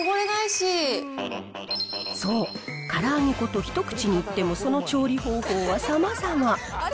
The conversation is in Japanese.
そう、から揚げ粉とひと口に言っても、その調理方法はさまざま。